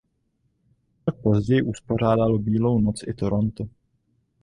O rok později uspořádalo Bílou noc i Toronto.